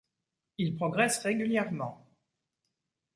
Il progresse régulièrement.